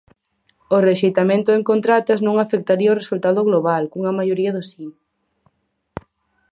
O rexeitamento en contratas non afectaría o resultado global, cunha maioría do si.